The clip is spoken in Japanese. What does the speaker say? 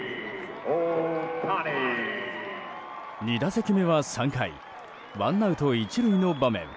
２打席目は３回ワンアウト１塁の場面。